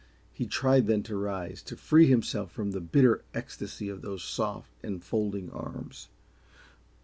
He tried then to rise, to free himself from the bitter ecstasy of those soft, enfolding arms.